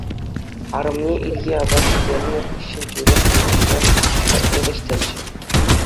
Арӑмне ирхи апат ҫитернӗ хыҫҫӑн тӳрех ентешӗ патне вӗҫтерчӗ.